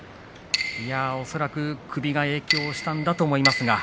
恐らく首が影響したんだと思います。